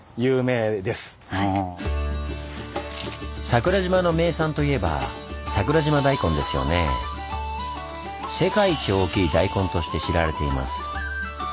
桜島の名産といえば桜島大根ですよね。として知られています。